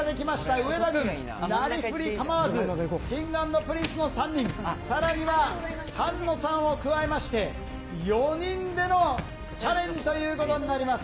上田軍、なりふりかまわず、Ｋｉｎｇ＆Ｐｒｉｎｃｅの３人、さらには菅野さんを加えまして、４人でのチャレンジということになります。